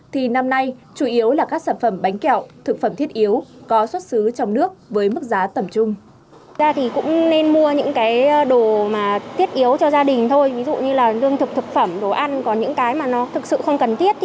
thì năm nay chủ yếu là các sản phẩm bánh kẹo thực phẩm thiết yếu có xuất xứ trong nước với mức giá tẩm trung